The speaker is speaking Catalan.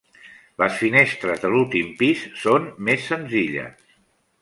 Les finestres de l'últim pis són més senzilles.